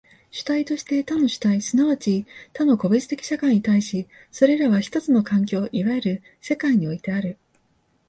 主体として他の主体即ち他の個別的社会に対し、それらは一つの環境、いわゆる世界においてある。